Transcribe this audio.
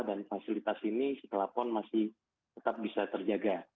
dan fasilitas ini setelah pon masih tetap bisa terjaga